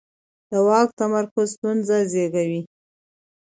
د واک تمرکز ستونزې زېږوي